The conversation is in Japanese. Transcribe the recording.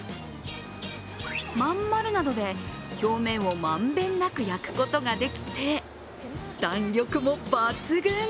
まん丸なので、表面を満遍なく焼くことができて弾力も抜群。